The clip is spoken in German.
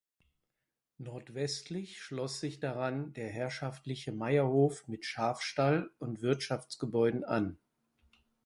Nordwestlich schloss sich daran der herrschaftliche Meierhof mit Schafstall und Wirtschaftsgebäuden an.